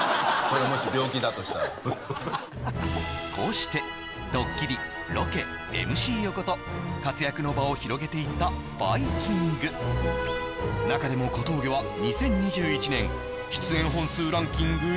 これがもし病気だとしたらこうしてドッキリロケＭＣ横と活躍の場を広げていったバイきんぐ中でも小峠は２０２１年出演本数ランキング